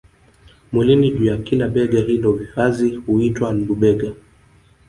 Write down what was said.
mwilini juu ya kila bega hilo vazi huitwa lubega